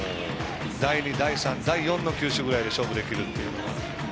第２、第３、第４の球種ぐらいで勝負できるというのが。